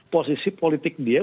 posisi politik dia